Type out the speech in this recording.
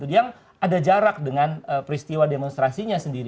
yang ada jarak dengan peristiwa demonstrasinya sendiri